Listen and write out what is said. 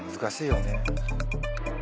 難しいよね。